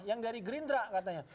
yang dari gerindra katanya